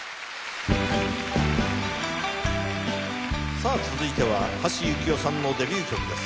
さぁ続いては橋幸夫さんのデビュー曲です。